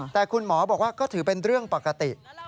แต่คุณหมอบอกว่าก็ถือเป็นเรื่องปกติ